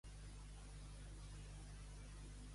Els litigis sobre aquest assumpte continua.